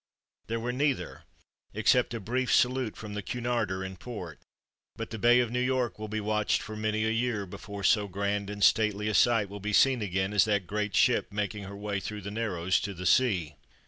There were neither, except a brief salute from the Cunarder in port. But the bay of New York will be watched for many a year before so grand and stately a sight will be seen again as that great ship making her way through the Narrows to the sea.